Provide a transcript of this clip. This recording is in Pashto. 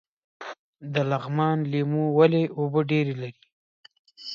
د لغمان لیمو ولې اوبه ډیرې لري؟